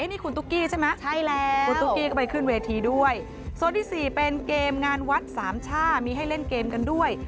นี่คุณตุ๊กกี้ใช่ไหมใช่แล้วคุณตุ๊กกี้ก็ไปขึ้นเวทีด้วยโซนที่สี่เป็นเกมงานวัดสามช่ามีให้เล่นเกมกันด้วย